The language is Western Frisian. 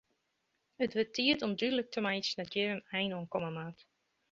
It wurdt tiid om dúdlik te meitsjen dat hjir in ein oan komme moat.